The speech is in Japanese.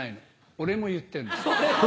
俺も言ってんだ。